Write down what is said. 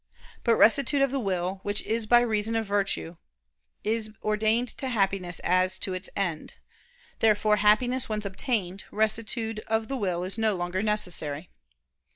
But rectitude of will, which is by reason of virtue, is ordained to Happiness as to its end. Therefore, Happiness once obtained, rectitude of the will is no longer necessary.